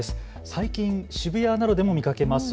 最近渋谷などでも見かけます